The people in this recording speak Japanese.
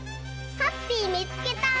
ハッピーみつけた！